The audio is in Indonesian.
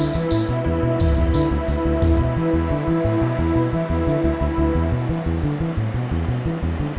masa beli pinta